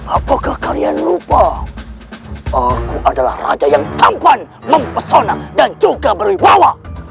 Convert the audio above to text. apakah kalian lupa aku adalah raja yang tampuan mempesona dan juga berwibawa